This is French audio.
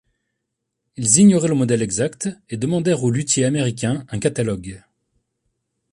Ils ignoraient le modèle exact et demandèrent au luthier américain un catalogue.